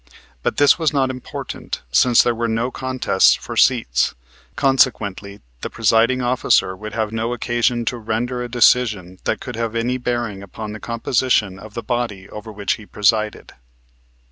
But this was not important since there were no contests for seats, consequently the presiding officer would have no occasion to render a decision that could have any bearing upon the composition of the body over which he presided.